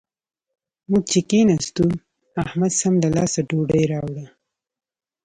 موږ چې کېناستو؛ احمد سم له لاسه ډوډۍ راوړه.